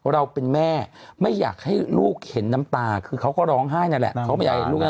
เราเป็นแม่ไม่อยากให้ลูกเห็นน้ำตาคือเขาก็ร้องไห้นั่นแหละ